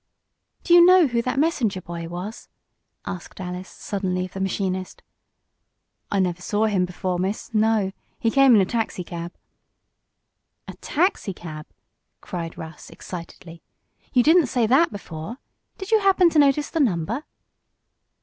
"Do you know who that messenger boy was?" asked Alice suddenly of the machinist. "I never saw him before, Miss no. He came in a taxicab." "A taxicab!" cried Russ, excitedly. "You didn't say that before. Did you happen to notice the number?"